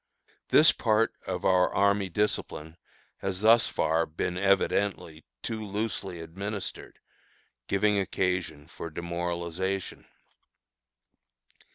This part of our army discipline has thus far been evidently too loosely administered, giving occasion for demoralization.